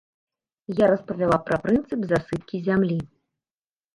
Я распавяла пра прынцып засыпкі зямлі.